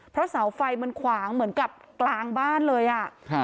เพราะเสาไฟมันขวางเหมือนกับกลางบ้านเลยอ่ะครับ